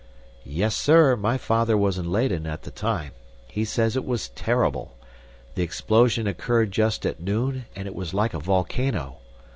"Yes, sir, my father was in Leyden at the time. He says it was terrible. The explosion occurred just at noon and it was like a volcano.